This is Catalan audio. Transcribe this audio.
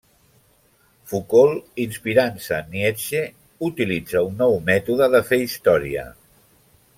Foucault, inspirant-se en Nietzsche, utilitza un nou mètode de fer història.